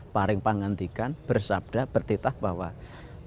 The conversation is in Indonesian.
paring pengantikan bersabda bertitah bahwa mulai hari ini